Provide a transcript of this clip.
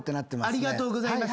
ありがとうございます。